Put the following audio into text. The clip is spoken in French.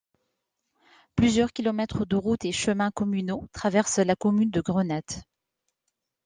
Plusieurs kilomètres de routes et chemins communaux traversent la commune de Grenade.